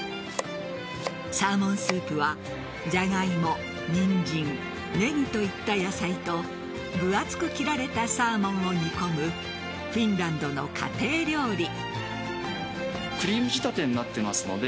サーモンスープはジャガイモニンジン、ネギといった野菜と分厚く切られたサーモンを煮込むフィンランドの家庭料理。